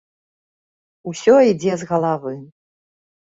Усё ідзе з галавы.